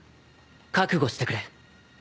覚悟してくれ。